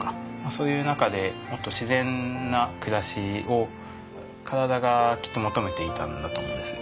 そういう中でもっと自然な暮らしを体がきっと求めていたんだと思うんです。